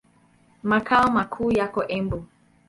Makao makuu yako Embu.